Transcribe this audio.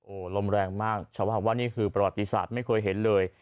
โอ้โหลมแรงมากชาวบ้านบอกว่านี่คือประวัติศาสตร์ไม่เคยเห็นเลย